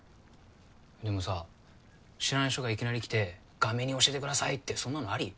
でもさ知らない人がいきなり来て「がめ煮教えてください！」ってそんなのアリ？